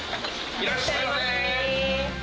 いらっしゃいませ。